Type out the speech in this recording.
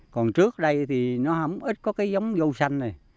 còn trước đây thì nó ít có cái giống dâu xanh này